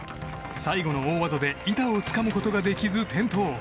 最後の大技で板をつかむことができず、転倒。